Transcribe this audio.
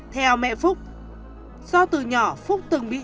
theo mẹ phúc do từ nhỏ phúc từng bị